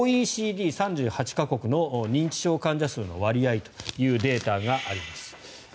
ＯＥＣＤ３８か国の認知症患者数の割合というデータがあります。